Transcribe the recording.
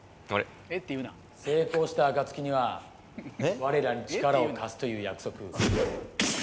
成功した暁にはわれらに力を貸すという約束。